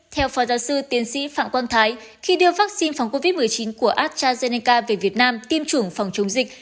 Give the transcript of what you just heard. theo phó giáo sư tiến sĩ phạm quang thái khi đưa vaccine phòng covid một mươi chín của astrazeneca về việt nam tiêm chủng phòng chống dịch